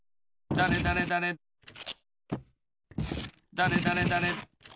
だれだれだれ。